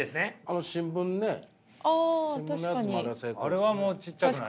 あれはもうちっちゃくないよね。